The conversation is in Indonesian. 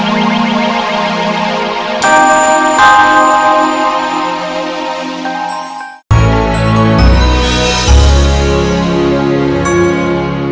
sampai jumpa lagi